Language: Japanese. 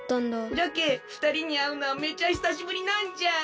じゃけえふたりにあうのはめちゃひさしぶりなんじゃ！